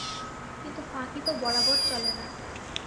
কিন্তু ফাঁকি তো বরাবর চলে না।